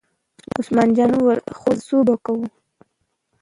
عثمان جان وویل: خو ځه څو به کوو.